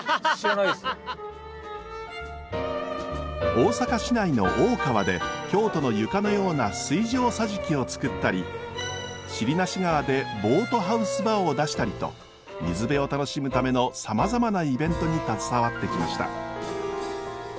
大阪市内の大川で京都の床のような水上桟敷を作ったり尻無川でボートハウスバーを出したりと水辺を楽しむためのさまざまなイベントに携わってきました。